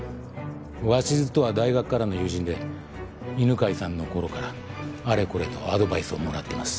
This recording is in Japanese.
鷲津とは大学からの友人で犬飼さんの頃からあれこれとアドバイスをもらってます。